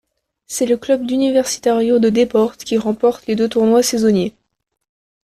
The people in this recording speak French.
C'est le club d'Universitario de Deportes qui remporte les deux tournois saisonniers.